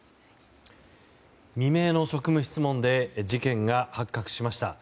未明の職務質問で事件が発覚しました。